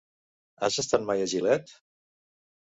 Has estat mai a Gilet?